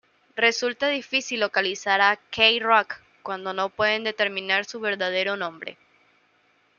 Resulta difícil localizar a K-Roc cuando no pueden determinar su verdadero nombre.